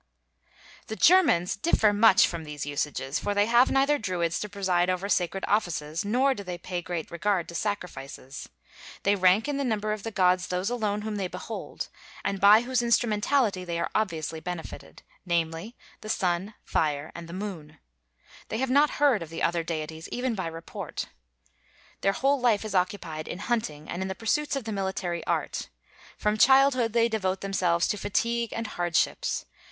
The Germans differ much from these usages, for they have neither Druids to preside over sacred offices nor do they pay great regard to sacrifices. They rank in the number of the gods those alone whom they behold, and by whose instrumentality they are obviously benefited, namely, the sun, fire, and the moon; they have not heard of the other deities even by report. Their whole life is occupied in hunting and in the pursuits of the military art; from childhood they devote themselves to fatigue and hardships.